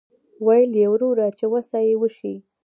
ویل یې وروره چې وسه یې وشي.